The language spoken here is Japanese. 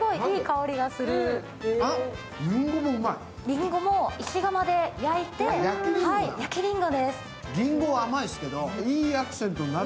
りんごも石窯で焼いて、焼きりんごです。